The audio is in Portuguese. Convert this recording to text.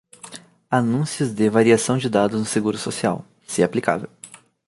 Anúncios de variação de dados no Seguro Social, se aplicável.